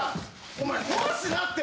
お前壊すなって！